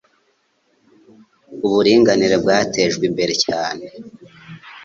Uburinganire bwatejwe imbere cyane